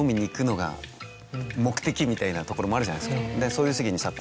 みたいなところもあるじゃないですか。